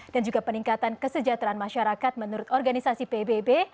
dan juga peningkatan kesejahteraan masyarakat menurut organisasi pbb